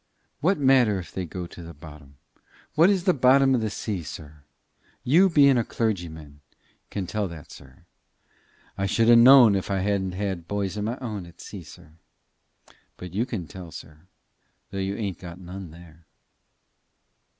What matter if they go to the bottom? What is the bottom of the sea, sir? You bein' a clergyman can tell that, sir. I shouldn't ha' known it if I hadn't had bys o' my own at sea, sir. But you can tell, sir, though you ain't got none there."